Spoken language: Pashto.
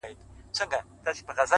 ستا د شعر دنيا يې خوښـه سـوېده،